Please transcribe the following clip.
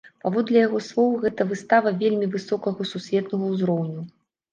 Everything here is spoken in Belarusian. Паводле яго слоў, гэта выстава вельмі высокага, сусветнага ўзроўню.